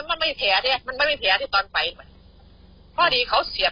นี่คุณผู้ชมครับ